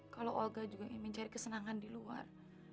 kalau oga juga ingin mencari kesenangan di luar